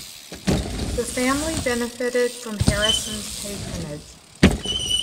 The family benefited from Harrison's patronage.